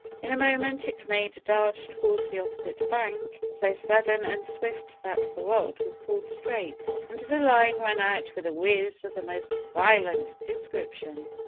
In a moment it made a dart towards the opposite bank, so sudden and swift that the rod was pulled straight, and the line ran out with a whiz of the most violent description.